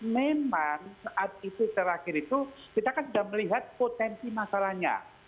memang saat itu terakhir itu kita kan sudah melihat potensi masalahnya